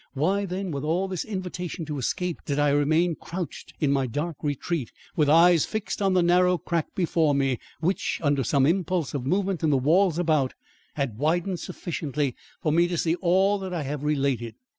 Why then, with all this invitation to escape, did I remain crouched in my dark retreat with eyes fixed on the narrow crack before me which, under some impulse of movement in the walls about, had widened sufficiently for me to see all that I have related?